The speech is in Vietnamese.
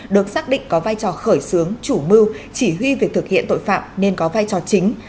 được xác định có vai trò khởi xướng chủ mưu chỉ huy việc thực hiện tội phạm nên có vai trò chính